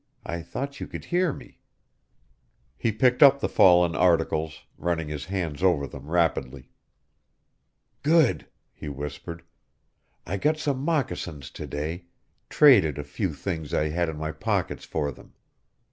I thought you could hear me." He picked up the fallen articles, running his hands over them rapidly. "Good," he whispered. "I got some moccasins to day traded a few things I had in my pockets for them.